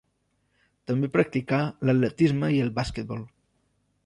També practicà l'atletisme i el basquetbol.